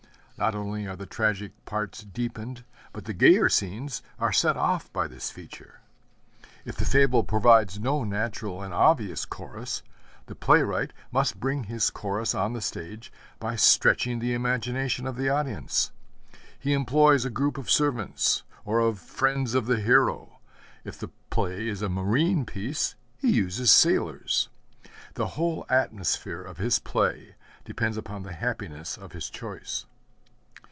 Not only are the tragic parts deepened, but the gayer scenes are set off by this feature. If the fable provides no natural and obvious Chorus, the playwright must bring his Chorus on the stage by stretching the imagination of the audience. He employs a group of servants or of friends of the hero; if the play is a marine piece, he uses sailors. The whole atmosphere of his play depends upon the happiness of his choice.